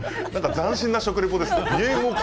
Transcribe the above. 斬新な食リポでしたね。